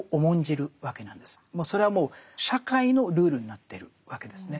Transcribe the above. それはもう社会のルールになってるわけですね。